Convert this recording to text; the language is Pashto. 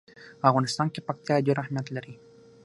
په افغانستان کې پکتیا ډېر اهمیت لري.